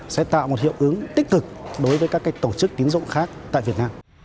sẽ tạo một hiệu ứng tích cực đối với các tổ chức tín dụng khác tại việt nam